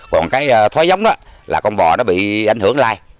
còn cái thói giống đó là con bò nó bị ảnh hưởng lai